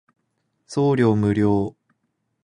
送料無料